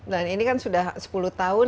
dan ini kan sudah sepuluh tahun